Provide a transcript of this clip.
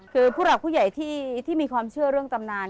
คือผู้หลักผู้ใหญ่ที่มีความเชื่อเรื่องตำนาน